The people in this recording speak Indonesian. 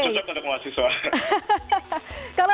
cucok untuk mahasiswa